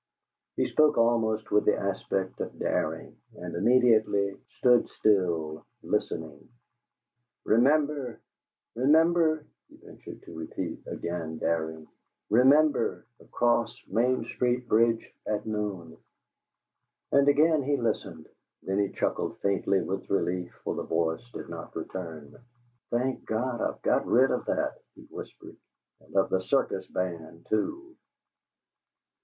He spoke almost with the aspect of daring, and immediately stood still, listening. "'REMEMBER,"' he ventured to repeat, again daring, "'REMEMBER! ACROSS MAIN STREET BRIDGE AT NOON!'" And again he listened. Then he chuckled faintly with relief, for the voice did not return. "Thank God, I've got rid of that!" he whispered. "And of the circus band too!"